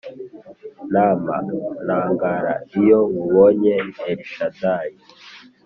nama ntangara iyo nkubonye elshadai